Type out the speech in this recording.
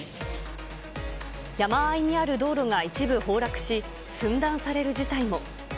山あいにある道路が一部崩落し、寸断される事態も。